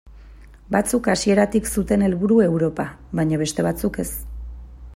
Batzuk hasieratik zuten helburu Europa, baina beste batzuk ez.